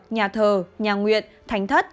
nhà thờ nhà nguyện thánh thất